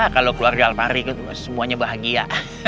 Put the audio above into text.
kalau keluarga alpari kan semuanya bahagia